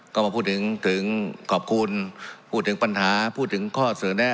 ก็มาพูดถึงถึงขอบคุณพูดถึงปัญหาพูดถึงข้อเสนอแน่